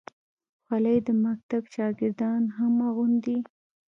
خولۍ د مکتب شاګردان هم اغوندي.